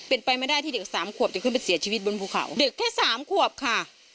เป็นไปไม่ได้ที่เด็กสามขวบจะขึ้นไปเสียชีวิตบนภูเขาเด็กแค่สามขวบค่ะ